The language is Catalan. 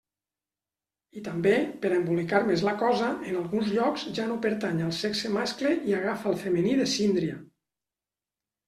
I també, per a embolicar més la cosa, en alguns llocs ja no pertany al sexe mascle i agafa el femení de síndria.